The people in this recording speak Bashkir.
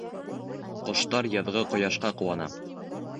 Ҡоштар яҙғы ҡояшҡа ҡыуана.